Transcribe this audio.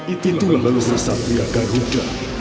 itulah lulusan satria garuda